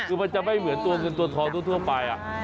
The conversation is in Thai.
คือมันจะไม่เหมือนความหอยหัวคนท่องทั่วไป